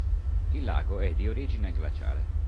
Il lago è di origine glaciale.